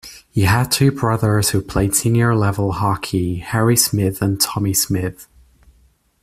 He had two brothers who played senior-level hockey Harry Smith and Tommy Smith.